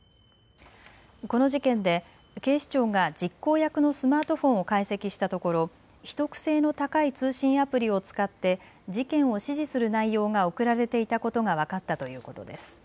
この事件で警視庁が実行役のスマートフォンを解析したところ秘匿性の高い通信アプリを使って事件を指示する内容が送られていたことが分かったということです。